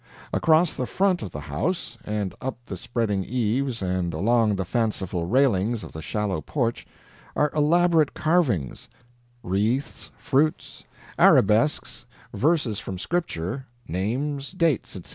Across the front of the house, and up the spreading eaves and along the fanciful railings of the shallow porch, are elaborate carvings wreaths, fruits, arabesques, verses from Scripture, names, dates, etc.